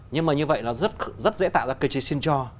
nhưng mà như vậy nó rất dễ tạo ra cơ chế xin cho